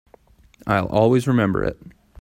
I'll always remember it.